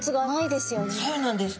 そうなんです。